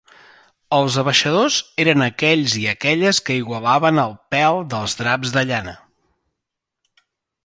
Els abaixadors eren aquells i aquelles que igualaven el pèl dels draps de llana.